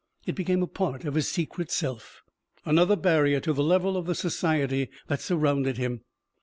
It became a part of his secret self. Another barrier to the level of the society that surrounded him.